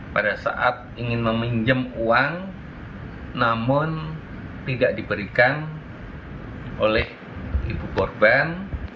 pada saat ingin meminjam uang namun tidak diberikan oleh ibu korban